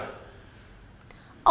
ông nói thế nào